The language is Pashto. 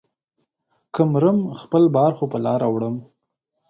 که مرم ، خپل بار خو به لا وړم.